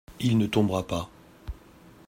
Il ne tombera pas ?